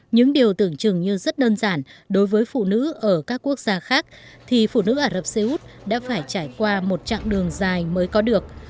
những điều tưởng chừng như rất đơn giản đối với phụ nữ ở các quốc gia khác thì phụ nữ ả rập xê út đã phải trải qua một chặng đường dài mới có được